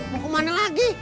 mau ke mana lagi